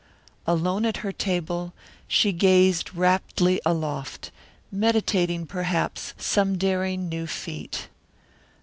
Alone at her table, she gazed raptly aloft, meditating perhaps some daring new feat.